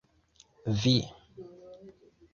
Vi!!!